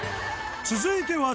［続いては］